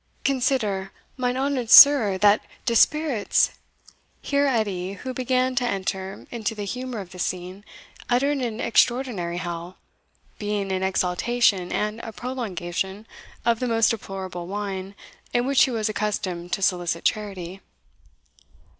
Consider, mine honoured sir, that de spirits" Here Edie, who began to enter into the humour of the scene, uttered an extraordinary howl, being an exaltation and a prolongation of the most deplorable whine in which he was accustomed to solicit charity.